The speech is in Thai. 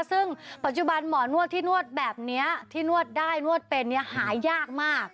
ซึ่งปัจจุบันหมอนวดที่นวดแบบนี้ที่นวดได้นวดเป็นเนี่ยหายากมาก